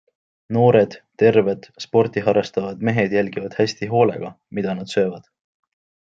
Noored, terved, sporti harrastavad mehed jälgivad hästi hoolega, mida nad söövad.